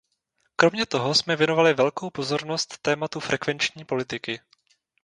Kromě toho jsme věnovali velkou pozornost tématu frekvenční politiky.